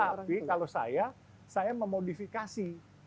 tapi kalau saya saya memodifikasi